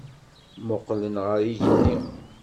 Mmuqqlen ɣer yigenni.